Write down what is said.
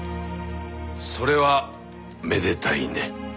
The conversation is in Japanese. それはめでたいね。